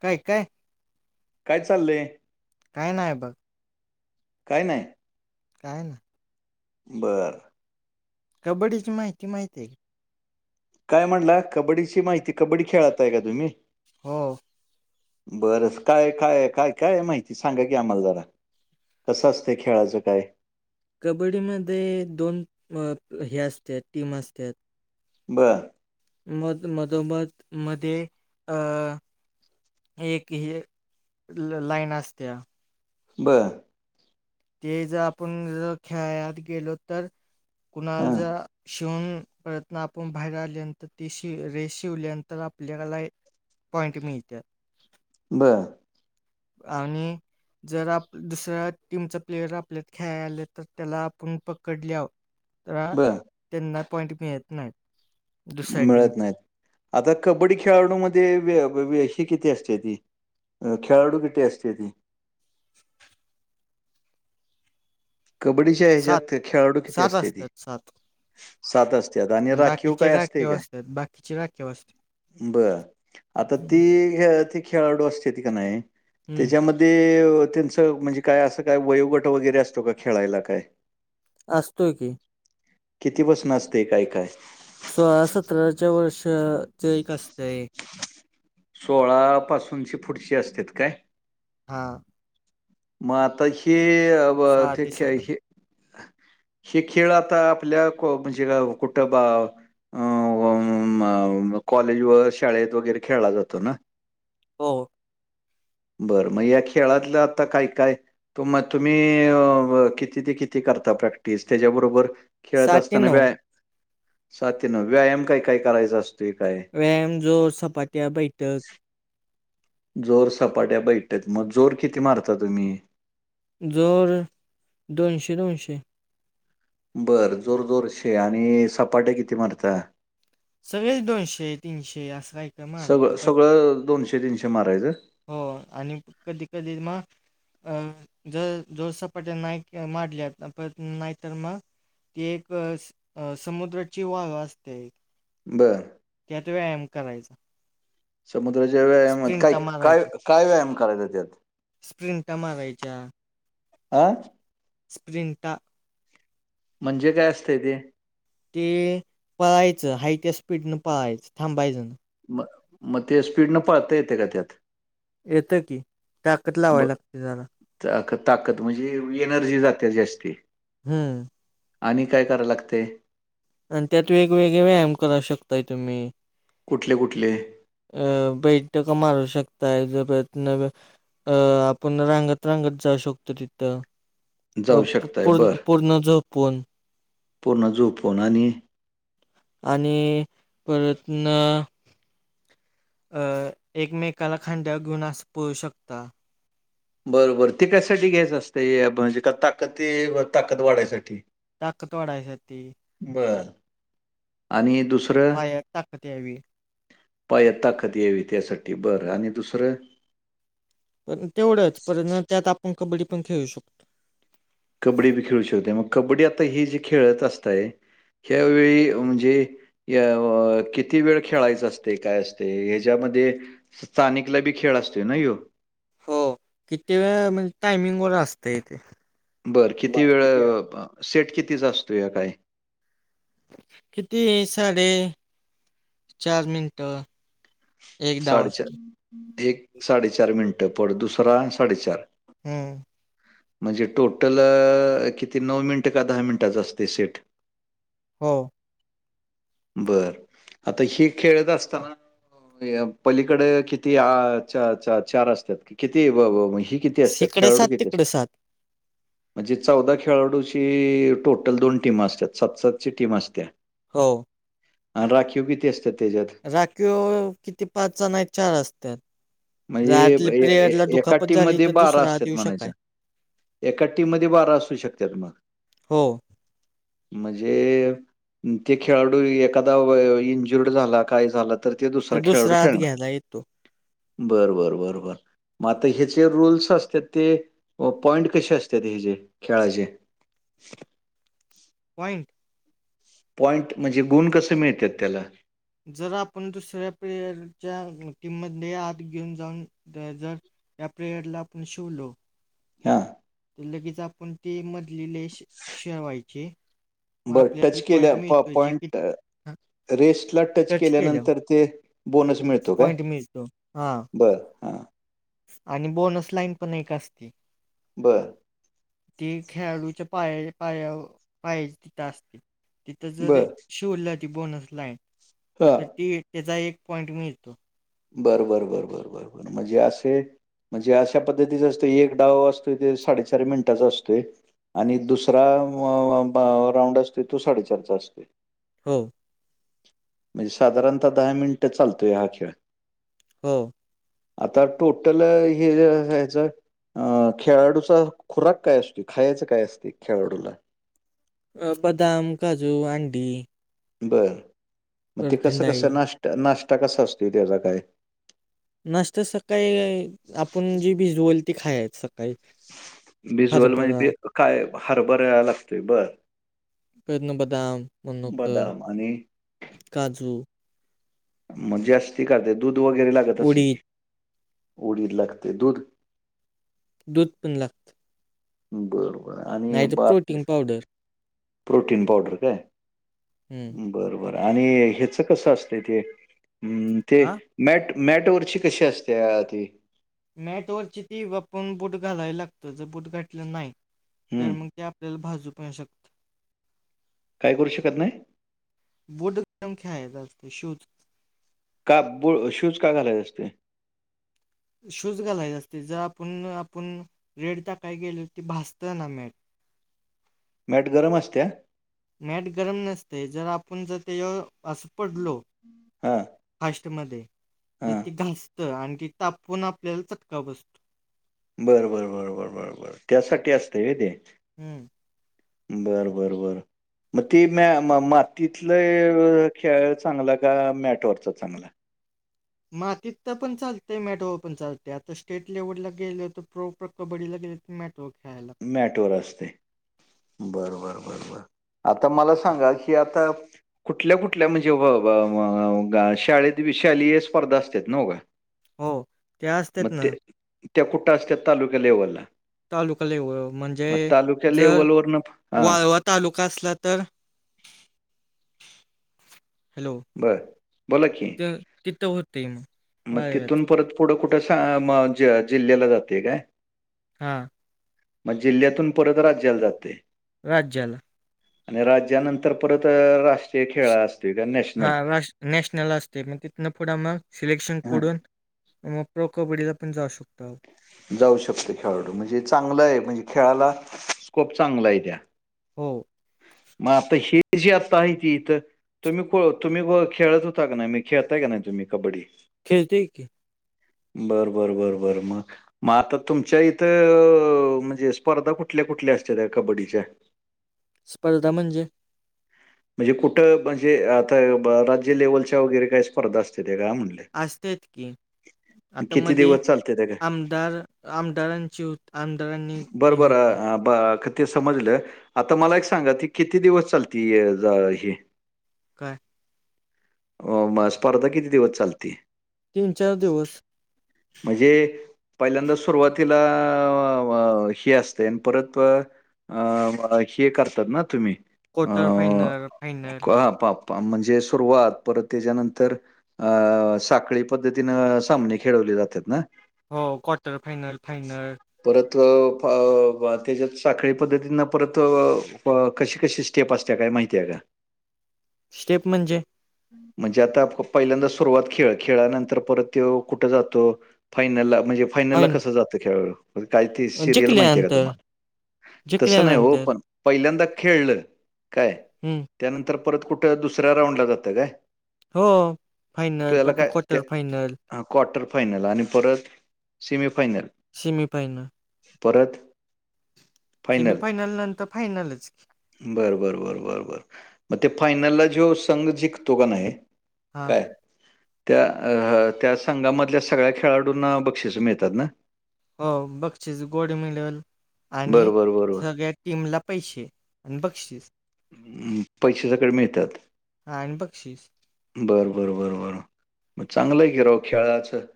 काय काय काय चाललंय काई नाही ब काई नाही. काय ना बरं. कबड्डी ची माहिती माहितीय आहे काय म्हणला कबड्डीची माहिती कबड्डी खेळातय का तुम्ही हो बरंस काय काय काय काय माहिती सांगा की आम्हाला जरा कसं असते खेळाचं काय कबड्डीमध्ये दोन हे असत टीम असत बरं मद मधोमत मध्ये अ एक हिय ल लाईन असत्या. बरं ते ज आपण ज खेयात गेलो तर कुणाल हां जा हुन प्रयतन आपण बाहेर आल्यानंतर ते शी रे शीवल्यानंतर आपल्याला ए पॉईंट मिळत्या बरं आणि जर आप दुसऱ्या टीमचा प्लेयर आपल्यात खेळा आले तर त्याला आपण पकडल्यावर तर आ बर त्यांना पॉईंट मिळेत नाहीत. मिळत नाहीत, आता कबड्डी खेळाडूमध्ये वे अ वे हे किती असत्याती? अ खेळाडू कितीे असत्याती? [inaudible] कबड्डीच्या ह्याच्यात सात त खेळाडू किती सात असत्याती? असतात सात सात असत्यात आणि राखीव बाकीचे काय असते राखीव काय? असतात बाकीचे राखीव असतात बरं आता हम्म ती हे अती खेळाडू असत्याती का नाही हम्म. त्याच्यामध ते अ त्यांचं म्हणजे काय असं काय वयोगट वगैरे असतो का खेळायला काय? असतोय की. किती बसन असते काय - काय? सोळा सतराच्या वर्ष च एक असतंय. सोळापासूनची पुढची असत्यात काय? हां. मा त हे अ ब ते खे हे [inaudible] हे खेळ आता आपल्या को म्हणजे गाव कुठं बा अं वां मम अ कॉलेज व शाळेत वगैरे खेळला जातो ना? हो. बरं म या खेळातलं आता काय - काय? तुमा तुम्ही अ ब किती ते किती करता प्रॅक्टिस त्याच्याबरोबर खेळत सात ते असताना नऊ व्याया साथीन व्यायाम काय-काय करायचा असतोय काय? व्यायाम जो सपाट्या बैठक. जोर सपाट्या बैठक, मग जोर किती मारता तुम्ही? जोर दोनशे-दोनशे. बरं जोर दोरशे आणि सपाट्या किती मारता? सगळेच दोनशे तीनशे असं काय-काय मालतो पट ते दोनश हे तीनशे मारायचं. हो आणि कधी-कधी मग अ जर जोरसपाट्या नाही माडल्या अ प नाही तर मग एक स अं समुद्राची वाह असते ए बरं. त्यात व्यायाम करायचा समुद्राच्या व काय स्प्रिंटा काय मारायच्या क काय व्यायाम करायचा त्यात? स्प्रिंटा मारायच्या अ? जींकता म्हणजे काय असतंय ते? ते पळायचं हाय त्या स्पीडन पाळायचं थांबायचं न म मग ते स्पीड न पाहता येते का त्यात येतं की ताकद ब लावाय लागते जरा ताक ताकद म्हणजे एनर्जी जाते जास्ती हम्म आणि काय कराव लागते आणि त्यात वेगवेगळे व्यायाम कर करा शकताय तुम्ही कुठले कुठले अ बैठक मारू शकताय ज अ आपण रांगत रांगत जाऊ शकतो तिथं अ जाऊ शकताय पूर्ण पूर्ण जो पण पोर्ण जू पोननी आणि परतना एकमेकाला खांड्या घेऊन अस पोव शकता बरोबर ते कयसाठी घ्यायच असतें म्हणजे का ताकद ताकद वाढायसाठी ताकत वाढाय साठी बर आणि दुसरं पाया ताकत यावी पायात ताकद यावी त्यासाठी बरं आणि दुसरं पण तेवढंच पण त्यात आपण कबड्डी पण खेळू शकतो कबड्डी बी खेळू शकते मग कबड्डी आता ही जे खेळत असतय ह्यावेेळी म्हणजे अ किती वेळ खेळायच असते काय असते ह्याच्यामध्ये स्थानिक ला बी खेळ असतोय ना यो हो किती वेळा म्हणजे टायमिंग वगैरे असत इथे बरं किती वेळ सेट कितीचा असतो या काय किती साडे चार मिनट साडेचार एक साडेचार मिनिटं प दुसरा साडेचार हम्म म्हणजे टोटल किती नऊ मिनिटं का दहा मिनिटाच असते सेट हो बर आता हे खेळत असताना पलीकडे किती चार असतात किती हि किती असतात? सकडं खेळाडू सात किती असतात? तिकडं सात म्हणजे चौदा खेळाडूची टोटल दोन टीम असत्या सातसातची टीम असत्या हो आणि राखीव बिती असतात त्याच्या्यात राखी किती पाचचा नाही चार असतात म्हणजे राखिले ए ए पेलयरला एका दुखापत झाली टीममध्ये तर दुसरा हात असतात येऊ म्हणायचं. शकाय एका टीम मध्ये बारा असू शकतात मग हो म्हणजे ते खेळाडू एखादा इंजुर्ड झाला काय झालं ते दुसरा आत घ्यायला येतो बरबर बरोबर मग आता हचे रूल्स असतात ते पॉइंट कसे असतात हचे खेळाचे [inaudible] पॉइंट पॉईंट म्हणजे गुण कसे मिळतात त्याला? जर आपण दुसऱ्या प्लेयरच्या टीममध्ये आत घेऊन जाऊन जर या प्रेयड ला आपण शिवलो हा लगेच आपण ते मधले लेश शेवायचे बरं टच केल्या पॉ, जे की पॉइंट रेस्टला टच केल्यानंतर ते बोनस मिळतो काय पॉईंट मिळतो हा बरं हां. आणि बोनस लाईन पण एक असती बरं ते खेळाडूच्या पाया, पायावं पायज तिथ असते. तिथं जर बरं. शिवलं ती बोनस लाईन हां. तर ती त्येजा एक पॉइंट मिळतो बरं बरं बरं बरं बर बर म्हणजे असे म्हणजे अशा पद्धतीचा असतं एक डाव असतोय ते साडेचार मिनिटाचा असतोय. आणि दुसरा राऊंड असतोय तो साडेचारचा असतोय. हो म्हणजे साधारणता दहा मिनिटं चालतोय हा खेळ हो आता टोटल हे हेजच अ खेळाडूचा खुराक काय असतोय खायचं काय असत खेळाडूला अ बदाम, काजू, आंडी बर मग ते कसं थंडाई कसं नाश् नाश्ता कसा असतोय त्याचा काय? नाश्ता सकाळी आपण जे भिजवल ते खायचं. भिजवल म्हणजे बी काय हरभरायला लागतय बरं बदाम, मनुक, बदाम आणि काजू म्हणजे असतय का ते दूध वगैरे लागत असेल उडीद, की उडीद लागत, दूध दूध पण लागत बरं, बरं आणि नाही तर बाकी प्रोटीन पावडर प्रोटीन पावडर काय हम्म बर बर आणि हेच कसं असत ते अ ते हा मॅट, मॅट वरची कशी असतीया ति मॅट वरची ती आपुन बूट घालायला लागतं जर बूट घातलं नाही तर हं. मग ते आपल्याला भाजू पण शकत. काय करू शकत नाही? बूट घालून खेळायचं असतंय शुज. का ब शूज का घालायत असतय शूज घालायला असतय जर आपुण आपुण रेड टाकाय गेलं की ते भाजतं ना मॅट मॅट गरम असतीया? मॅट गरम नसतय जर आपण जर तेज्यावर असं पडलो हां, फास्ट मध्ये तर हां. ती घासतं आणखी तापून आपल्याला चटका बसतो. बर बर बरोबर बर बर त्यासाठी असतय व्हय ते हम्म बरं बरं बरं म ती मॅ म मातीतलं खेळ चांगला का मॅटवरचा चांगला? मातीतला तर पण चालतय मॅटवर पण चालत्यात आता स्टेट लेव्हलला गेले होत प्रो प्र कबड्डीला गे मॅट वर खेळायला मॅट वर असतय बर, बर बर बर आता मला सांगा की आता कुठल्या, कुठल्या म्हणजे व, व, व, गा, शाळेत विशालीय स्पर्धा असतयत नव का? हो त्या असत्यात मग ते ना त्या कुठा असत्यात तालुका लेव्हलला तालुका लेवल म्हणजे जर लेवलवरनं हां वाळवत तालुका असला तर, हॅलो बरं बोला की. तर तिथं होतंय. मग तिथून परत पुढं कुठं जिल्ह्याला जाते काय? हा. मग जिल्ह्यातून परत राज्याला जाते. राज्याला. आणि राज्यानंतर परत राष्ट- हा राष्ट्र नॅशनल असतंय मग तिथंन पुढं मग सिलेक्शन हा, कडून- मग प्रो कबड्डीला पण जाऊ शकतो. जाऊ शकतो खेळाडू म्हणजे चांगलं आहे म्हणजे खेळाला स्कोप चांगला आहे त्या. हो. मग आता हे जी आता आहे ती इथं- तुम्ही तुम्ही खेळत होता का नाही मी खेळताय का नाही तुम्ही कबड्डी? खेळतोय की. बर बरं बर बर मग. मग आता तुमच्या इथं म्हणजे स्पर्धा कुठल्या कुठल्या असत्यात्या कबड्डीच्या? स्पर्धा म्हणजे? म्हणजे कुठं म्हणजे आता राज्य लेव्हलच्या वगैरे काय स्पर्धा असत्यात का म्हणलंय. असत्यात की आता मध्ये दिवस चालते त्या काय आमदार आमदारांची होत - आमदार- बरं बर हा क ते समजलं. आता मला एक सांगा की किती दिवस चालते हे- काय? स्पर्धा किती दिवस चालती? तीन चार दिवस. म्हणजे पहिल्यांदा सुरवातीला- अ हे असतयं आणि परत बघ हे करतात ना तुम्ही. क्वार्टर अं फायनल फायनल पा प म्हणजे सुरुवात परत त्याच्यानंतर- अ साखळी पद्धतीनं सामने खेळवले जातात ना? हो क्वार्टर फायनल फायनल- परत त्याच्यात साखळी पद्धतीनं परत कशी कशी- स्टेप असत्या काय माहित्या का? स्टेप म्हणजे? म्हणजे आता पहिल्यांदा सुरुवात खेळ खेळानंतर परत त्यो कुठं जातो? फायनलला म्हणजे फायनलला फाईन कसं जातो खेळाडू? काय ती सिरियल माहिती आहे का जिंकल्यानंतर तुम्हांला तसं नाही हो जिंकल्यानंतर पण- पहिल्यांदा खेळलं काय? हम् त्यानंतर परत कुठं दुसऱ्या राऊंड ला जातं काय? हो फायनल त्याला परत काय त्या क्वाटर फायनल. हा क्वाटर फायनल आणि परत सेमी फायनल. सेमीफायनल. परत- सेमीफायनल नंतर फायनलच की. बरं बरं बरं बर बर मग ते फायनलला जो संघ जिकतो का नाही? हा काय? त्या त्या संघामधल्या सगळ्या खेळाडूंना बक्षीस मिळतात ना. हो बक्षीस गोड मिलन बर आणि बर बर बर. सगळ्यात- टीमला पैसे आणि बक्षीस- म पैसे सकट मिळतात. आणि बक्षीस बरं बरं बरं बरं मग चांगलंय कि राव खेळाचं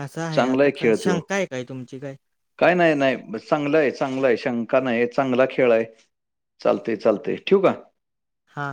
असं आहे चांगला आता काय खेळ तो शंका आहे काय तुमची काय काय नाही नाही चांगलं आहे, चांगलं आहे शंका नाही चांगला खेळ आहे. चालतंय चालतंय ठेवू का. हा